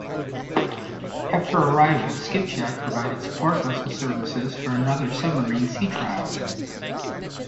After arrival "Skipjack" provided support vessel services for another submarine's sea trials.